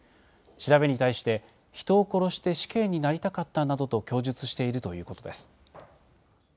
調べに対して、人を殺して死刑になりたかったなどと供述しているということです。